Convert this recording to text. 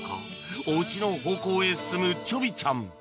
おウチの方向へ進むちょびちゃん